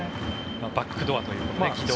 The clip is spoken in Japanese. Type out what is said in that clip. バックドアという軌道。